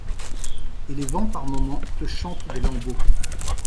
Et les vents par moments te chantent des lambeaux